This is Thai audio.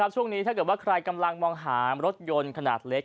ช่วงนี้ถ้าเกิดว่าใครกำลังมองหารถยนต์ขนาดเล็ก